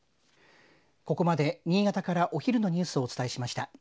ここまで新潟からお昼のニュースをお伝えしました。